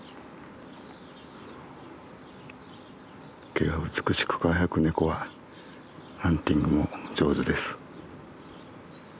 毛が美しく輝くネコはハンティングも上手です。